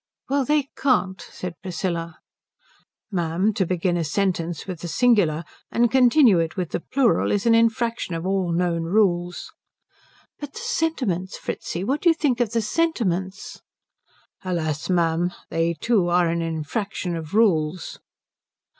"Well, they can't," said Priscilla. "Ma'am, to begin a sentence with the singular and continue it with the plural is an infraction of all known rules." "But the sentiments, Fritzi what do you think of the sentiments?" "Alas, ma'am, they too are an infraction of rules."